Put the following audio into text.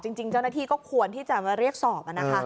จริงเจ้าหน้าที่ก็ควรที่จะมาเรียกสอบนะคะ